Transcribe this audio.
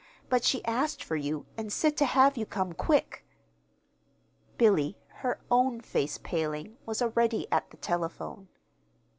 But she asked for you, and said to have you come quick." Billy, her own face paling, was already at the telephone.